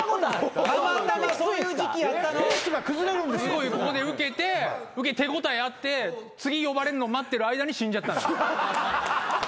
すごいここでウケて手応えあって次呼ばれるのを待ってる間に死んじゃった。